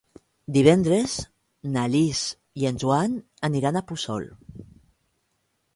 Divendres na Lis i en Joan aniran a Puçol.